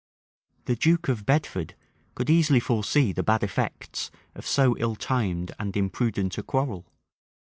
The duke of Bedford could easily foresee the bad effects of so ill timed and imprudent a quarrel.